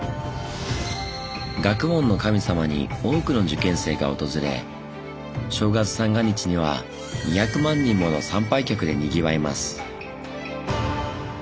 学問の神様に多くの受験生が訪れ正月三が日には２００万人もの参拝客でにぎわいます。